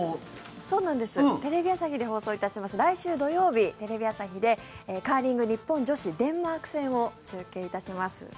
テレビ朝日で放送いたします、来週土曜日テレビ朝日でカーリング日本女子デンマーク戦を中継いたします。